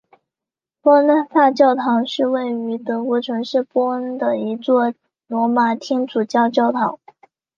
波恩大教堂是位于德国城市波恩的一座罗马天主教教堂。